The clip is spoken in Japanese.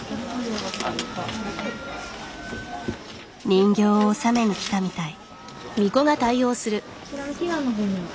人形を納めに来たみたい。